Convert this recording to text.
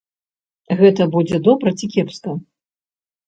Гэта будзе добра ці кепска?